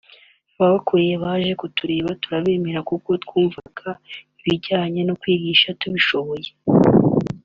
Ababakuriye baje kutureba turabemerera kuko twumvaga ibijyanye no kwigisha tubishoboye